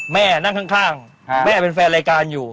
แม่นั่งข้างแม่เป็นแฟนรายการอยู่